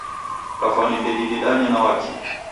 Kafwani ndedidedanye na Wakio